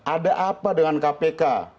ada apa dengan kpk